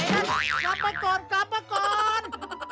กลับไปก่อนกลับมาก่อน